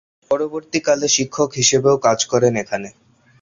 পরবর্তীকালে শিক্ষক হিসেবেও কাজ করেন এখানে।